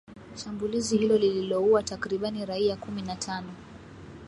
Shambulizi hilo lililoua takribani raia kumi na tano